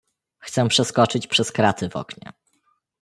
"Chcę przeskoczyć przez kraty w oknie."